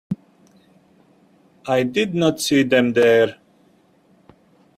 I did not see them there.